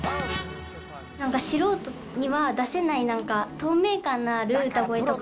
なんか素人には出せない、透明感のある歌声とか。